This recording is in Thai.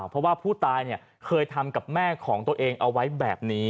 เพราะว่าผู้ตายเคยทำกับแม่ของตัวเองเอาไว้แบบนี้